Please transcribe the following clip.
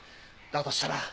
としたら